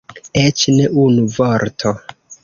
Eĉ ne unu vorto.